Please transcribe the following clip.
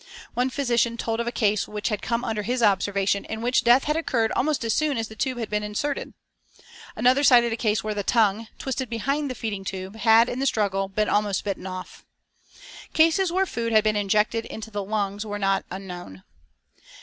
One physician told of a case which had come under his observation in which death had occurred almost as soon as the tube had been inserted. Another cited a case where the tongue, twisted behind the feeding tube, had, in the struggle, been almost bitten off. Cases where food had been injected into the lungs were not unknown.